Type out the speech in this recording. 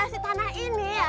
ini jadi ya si tanah ini ya